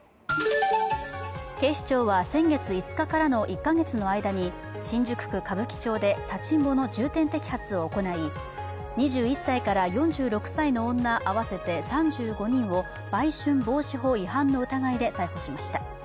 警視庁は先月５日からの１か月の間に新宿区歌舞伎町で立ちんぼの重点摘発を行い、２１歳から４６歳の女合わせて３５人を売春防止法違反の疑いで逮捕しました。